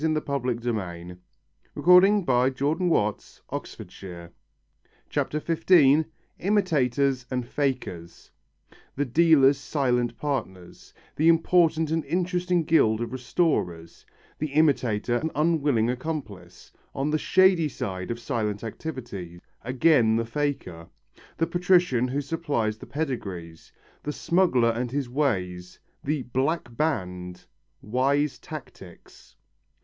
The difficulty lies in knowing how to choose the right sort. CHAPTER XV IMITATORS AND FAKERS The dealer's silent partners The important and interesting guild of restorers The imitator an unwilling accomplice On the shady side of silent activity Again the faker The patrician who supplies the pedigrees The smuggler and his ways The "black band" Wise tactics.